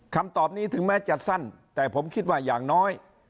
คำตอบนี้ถึงแม้จะสั้นแต่ผมคิดว่าอย่างน้อย